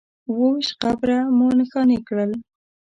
اووه ویشت قبره مو نښانې کړل.